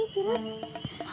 aku juga nggak tau